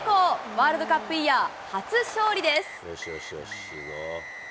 ワールドカップイヤー初勝利です。